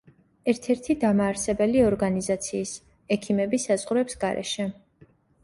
ერთ-ერთი დამაარსებელი ორგანიზაციის „ექიმები საზღვრებს გარეშე“.